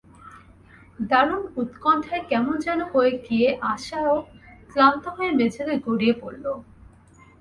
দারুণ উৎকণ্ঠায় কেমন যেন হয়ে গিয়ে আশারও কান্ত হয়ে মেঝেতে গড়িয়ে পড়ল।